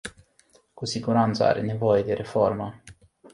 Cu siguranță are nevoie de reformă.